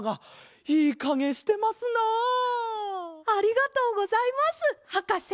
ありがとうございますはかせ！